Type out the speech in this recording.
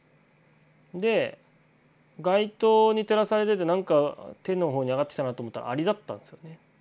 で街灯に照らされててなんか手の方に上がってきたなと思ったらアリだったんですよね。